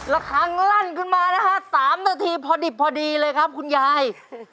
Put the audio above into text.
และครั้งลั่นขึ้นมา๓นาทีพอดีเลยครับคุณยาย